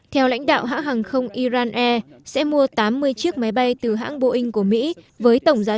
theo lãnh đạo hãng hàng không iran air sẽ mua tám mươi chiếc máy bay từ hãng boeing của mỹ với tổng giá